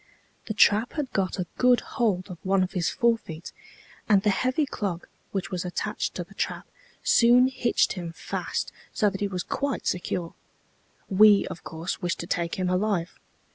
The trap had got a good hold of one of his forefeet, and the heavy clog, which was attached to the trap, soon hitched him fast, so that he was quite secure. We, of course, wished to take him alive.